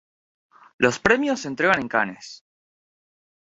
Los premios se entregan en Cannes.